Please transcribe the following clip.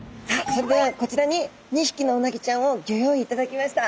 それではこちらに２匹のうなぎちゃんをギョ用意いただきました。